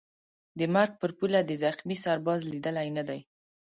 د مرګ پر پوله دي زخمي سرباز لیدلی نه دی